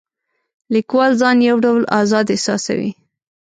لیکوال ځان یو ډول آزاد احساسوي.